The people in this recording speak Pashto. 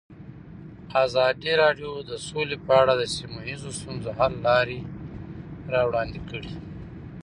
ازادي راډیو د سوله په اړه د سیمه ییزو ستونزو حل لارې راوړاندې کړې.